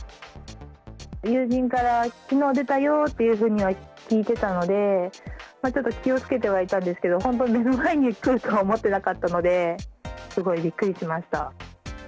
友人から、きのう出たよというふうには聞いてたので、ちょっと気をつけてはいたんですけど、本当、目の前に来るとは思ってなかったので、すごいびっくりしました。